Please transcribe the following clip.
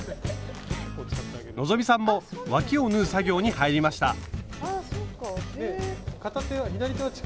希さんもわきを縫う作業に入りました。